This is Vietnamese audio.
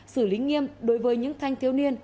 sử lý nghiêm đối với những thanh thiếu niên